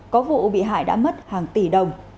có vụ bị hại đã mất hàng tỷ đồng